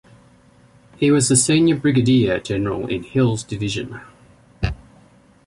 He was the senior brigadier general in Hill's division.